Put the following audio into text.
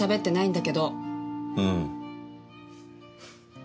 うん。